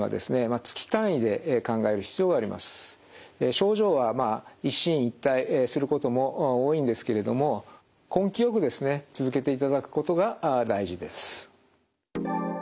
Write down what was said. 症状はまあ一進一退することも多いんですけれども根気よく続けていただくことが大事です。